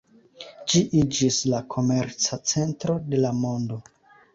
Ĝi iĝis la komerca centro de la mondo.